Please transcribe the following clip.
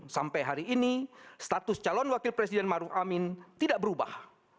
sampai hari ini status calon wakil presiden maruf amin tidak berubah